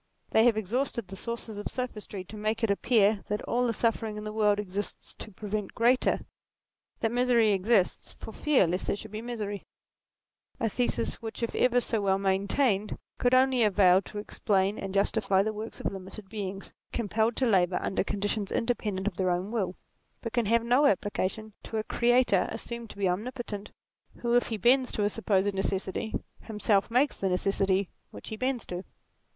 They have exhausted the resources of sophistry to make it appear that all the suffering in the world exists to prevent greater that misery exists, for fear lest there should be misery : a NATURE 37 thesis which if ever so well maintained, could only avail to explain and justify the works of limited beings, compelled to labour under conditions independent of their own will ; but can have no application to a Creator assumed to be omnipotent, who, if he bends to a supposed necessity, himself makes the necessity which he bends to.